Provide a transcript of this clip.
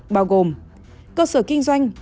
bao gồm cơ sở kinh doanh